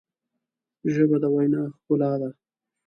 ژبه د وینا ښکلا ده